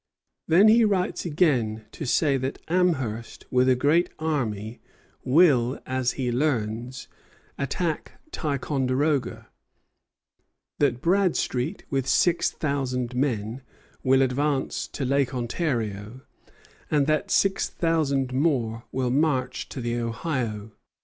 Then he writes again to say that Amherst with a great army will, as he learns, attack Ticonderoga; that Bradstreet, with six thousand men, will advance to Lake Ontario; and that six thousand more will march to the Ohio.